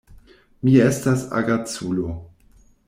Mi estas agaculo.